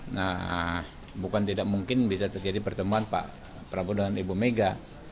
nah bukan tidak mungkin bisa terjadi pertemuan pak prabowo dengan ibu mega